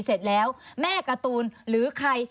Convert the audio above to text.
เสร็จแล้วแม่การ์ตูนหรือใคร